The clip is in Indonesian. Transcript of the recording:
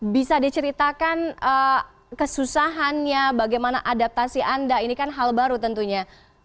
bisa diceritakan kesusahannya bagaimana adaptasi anda ini kan hal baru tentunya